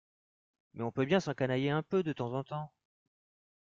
mais on peut bien s’encanailler un peu de temps en temps.